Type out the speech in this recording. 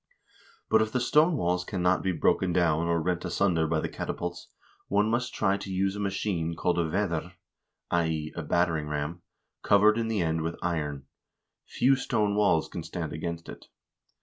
But if the stone walls can not be broken down or rent asunder by the catapults, one must try to use a machine called vedr (i.e. a battering ram), covered in the end with iron ; few stone walls can stand against it.